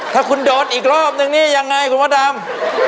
ถ้าคุณโดนอีกรอบนึงนี่ยังไงคุณพระดำ